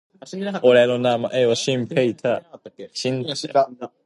Hamber later became the company's President.